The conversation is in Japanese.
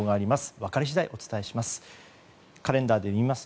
分かり次第お伝えします。